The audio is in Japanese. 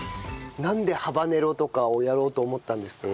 なんでハバネロとかをやろうと思ったんですか？